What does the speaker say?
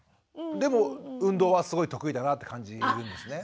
でも運動はすごい得意だなって感じるんですね。